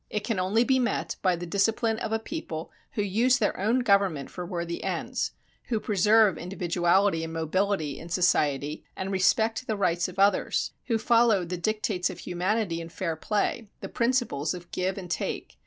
It can only be met by the discipline of a people who use their own government for worthy ends, who preserve individuality and mobility in society and respect the rights of others, who follow the dictates of humanity and fair play, the principles of give and take.